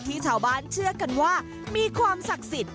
ที่ชาวบ้านเชื่อกันว่ามีความศักดิ์สิทธิ